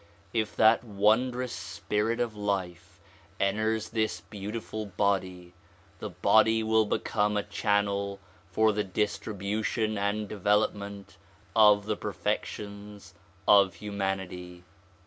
If that wondrous spirit of life enters this beau tiful body, the body will become a channel for the distribution and development of the perfections of humanity.